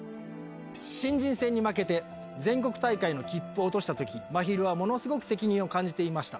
新人戦に負けて、全国大会の切符を落としたとき、まひるはものすごく責任を感じていました。